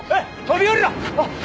飛び降りろ！